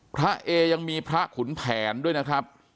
พระเอยังมีพระขุนแผนด้วยนะครับ